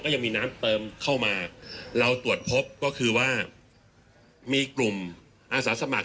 ยังมีน้ำเติมเข้ามาเราตรวจพบก็คือว่ามีกลุ่มอาสาสมัคร